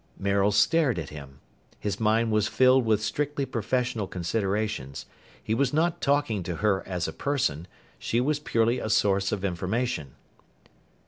Maril stared at him. His mind was filled with strictly professional considerations. He was not talking to her as a person. She was purely a source of information.